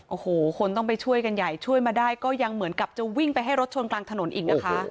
โอ้โหคนต้องไปช่วยกันใหญ่ช่วยมาได้ก็ยังเหมือนกับจะวิ่งไปให้รถชนกลางถนนอีกนะคะ